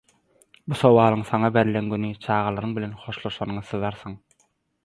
Bu sowalyň saňa berlen güni çagalygyň bilen hoşlaşanyňy syzarsyň.